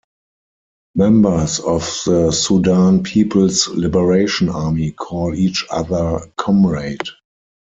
Members of the Sudan People's Liberation Army call each other 'Comrade'.